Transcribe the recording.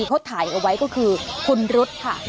เขาถ่ายเอาไว้ก็คือคุณรุ๊ดค่ะ